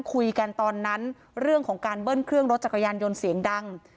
คุยกันตอนนั้นเรื่องของการเบิ้ลเครื่องรถจักรยานยนต์เสียงดัง